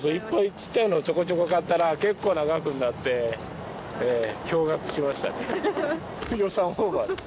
ちっちゃいのをちょこちょこ買ったら、結構な額になって、驚がくしました。